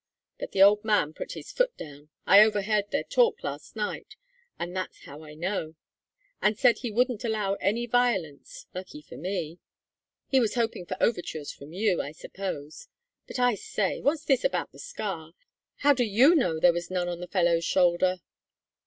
But the old man put his foot down I overheard their talk last night, and that's how I know and said he wouldn't allow any violence, lucky for me. He was hoping for overtures from you, I suppose. But I say, what's this about the scar? How do you know there was none on the fellow's shoulder?"